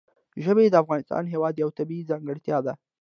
ژبې د افغانستان هېواد یوه طبیعي ځانګړتیا ده.